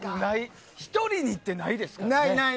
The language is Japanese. １人にって、ないですからね。